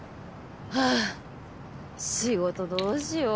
仕事どうしよう。